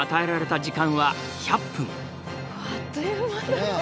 あっという間だよね。